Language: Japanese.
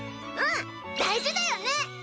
うん大事だよね！